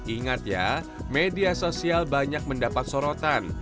ingat ya media sosial banyak mendapat sorotan